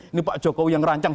ini pak jokowi yang rancang